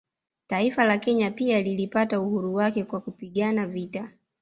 Taifa la Kenya pia lilipata uhuru wake kwa kupigana vita